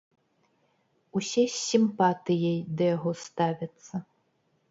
Усе з сімпатыяй да яго ставяцца.